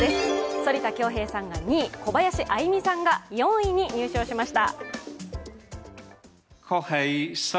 反田恭平さんが２位、小林愛実さんが４位に入賞しました。